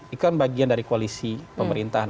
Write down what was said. ini kan bagian dari koalisi pemerintahan